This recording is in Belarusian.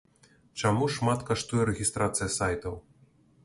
Чаму шмат каштуе рэгістрацыя сайтаў.